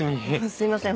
すいません